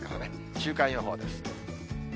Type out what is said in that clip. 週間予報です。